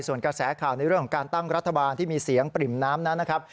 ส่วนกระแสข่าวในเรื่องของการตั้งรัฐบาลที่มีเสียงปริ่มน้ำนั้นนะครับ